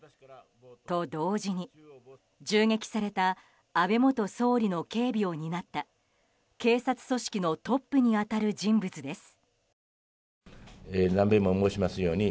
と同時に、銃撃された安倍元総理の警備を担った警察組織のトップに当たる人物です。